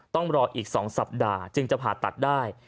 ต้องรออีก๒สัปดาห์จึงจะผ่าตัดได้